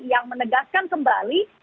yang menegaskan kembali